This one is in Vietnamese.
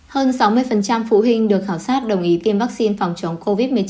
hơn sáu mươi phụ huynh được khảo sát đồng ý tiêm vaccine phòng chống covid một mươi chín